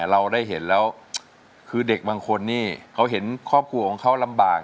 เราได้เห็นแล้วคือเด็กบางคนนี่เขาเห็นครอบครัวของเขาลำบาก